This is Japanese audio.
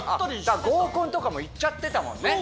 だから合コンとかも行っちゃってたもんね。